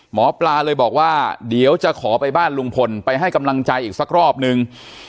หมอปลาเลยบอกว่าเดี๋ยวจะขอไปบ้านลุงพลไปให้กำลังใจอีกสักรอบนึง